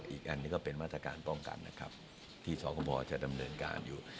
อีกอันนี้ก็เป็นมาตรการป้องกันนะครับที่สคบจะดำเนินการอยู่